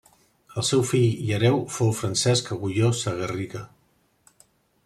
El seu fill i hereu fou Francesc Agulló Sagarriga.